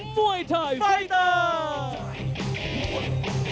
มวยไทยไฟเตอร์